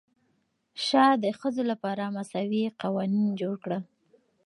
شاه د ښځو لپاره مساوي قوانین جوړ کړل.